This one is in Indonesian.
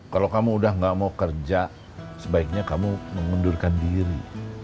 kalau kamu udah gak mau kerja sebaiknya kamu mengundurkan diri